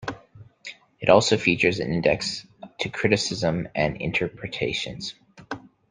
It also features an index to Criticisms and Interpretations.